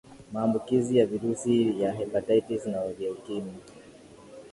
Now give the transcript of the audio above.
maambukizi ya virusi ya hepatitis na vya ukimwi